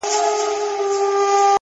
• د بشريت له روحه وباسه ته،